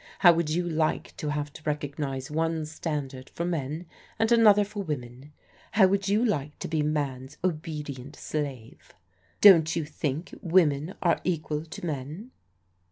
How would you like to have to recognize one standard for men, and another for women? How would you like to be man's obedient slave ? Don't you think women are equal to men